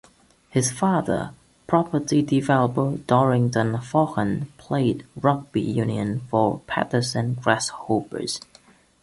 His father, property developer Dorrington Vaughan, played rugby union for Preston Grasshoppers.